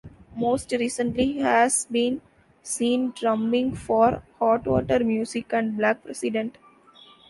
Most recently, he has been seen drumming for Hot Water Music and Black President.